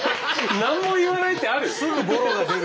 何も言わないってある？